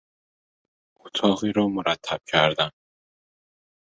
اتاقی را مرتب کردن